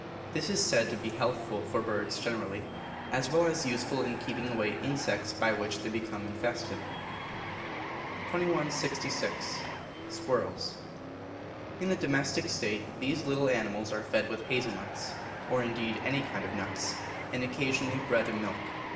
This is said to be healthful for birds generally, as well as useful in keeping away insects by which they become infested. 2166. Squirrels. In a domestic state these little animals are fed with hazel nuts, or indeed any kind of nuts; and occasionally bread and milk.